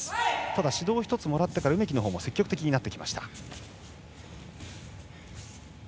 ただ、指導を１つもらってから梅木のほうも積極的になってきました。